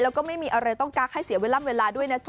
แล้วก็ไม่มีอะไรต้องกักให้เสียเวลาด้วยนะจ๊